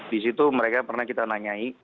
di situ mereka pernah kita nanyai